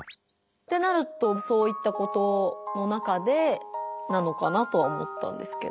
ってなるとそういったことの中でなのかなとは思ったんですけど。